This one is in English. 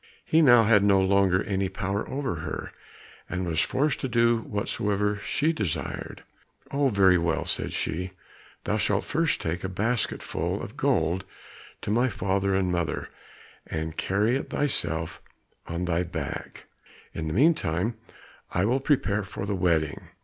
He now had no longer any power over her, and was forced to do whatsoever she desired. "Oh, very well," said she, "thou shalt first take a basketful of gold to my father and mother, and carry it thyself on thy back; in the meantime I will prepare for the wedding."